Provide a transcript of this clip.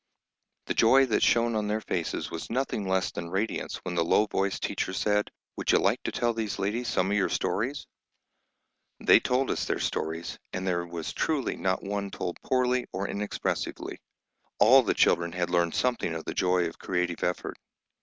The joy that shone on their faces was nothing less than radiance when the low voiced teacher said, "Would you like to tell these ladies some of your stories?" They told us their stories, and there was truly not one told poorly or inexpressively; all the children had learned something of the joy of creative effort.